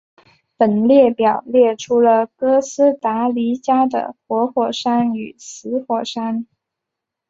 本列表列出了哥斯达黎加的活火山与死火山。